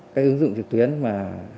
cái ứng dụng trực tuyến mà